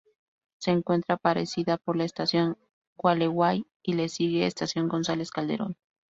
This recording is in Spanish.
Se encuentra precedida por la Estación Gualeguay y le sigue la Estación González Calderón.